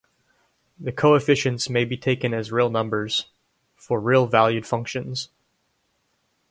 The coefficients may be taken as real numbers, for real-valued functions.